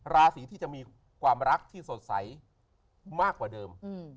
ราศีที่จะมีความรักที่สดใสมากกว่าเดิม